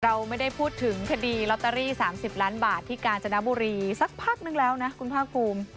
เราไม่ได้พูดถึงคดีลอตเตอรี่๓๐ล้านบาทที่กาญจนบุรีสักพักนึงแล้วนะคุณภาคภูมิ